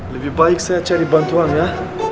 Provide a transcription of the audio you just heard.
lebih baik saya cari bantuan ya